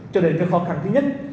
cho nên cái khó khăn thứ nhất